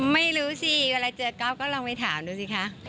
ไม่รู้สิเวลาเจอก๊อฟก็ลองไปถามดูสิคะ